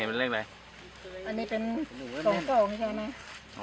อันนี้เป็นสองโต๊งใช่ไหม